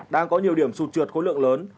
đang có nhiều điểm sụt trượt khối lượng lớn